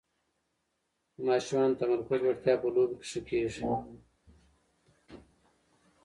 د ماشومانو د تمرکز وړتیا په لوبو کې ښه کېږي.